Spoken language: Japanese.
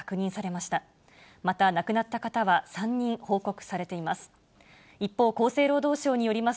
また、亡くなった方は３人報告されています。